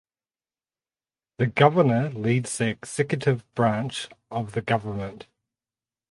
The governor leads the executive branch of the Government.